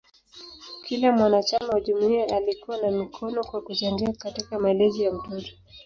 Kila mwanachama wa jumuiya alikuwa na mkono kwa kuchangia katika malezi ya mtoto.